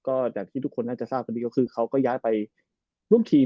ก็อย่างที่ทุกคนน่าจะทราบกันดีก็คือเขาก็ย้ายไปร่วมทีม